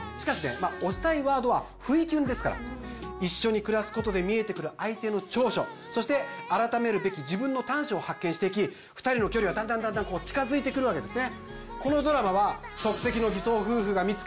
まあ推したいワードは不意キュンですから一緒に暮らすことで見えてくる相手の長所そして改めるべき自分の短所を発見していき２人の距離はだんだんだんだんこう近づいてくるわけですね